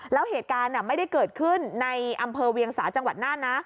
แล้วเหตุการณ์ไม่ได้เกิดขึ้นในอำเภอเวียงสาจังหวัดน่านนะ